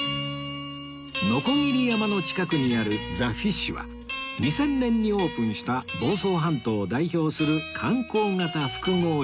鋸山の近くにある ｔｈｅＦｉｓｈ は２０００年にオープンした房総半島を代表する観光型複合施設